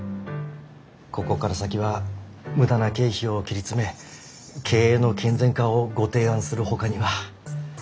ここから先は無駄な経費を切り詰め経営の健全化をご提案するほかには。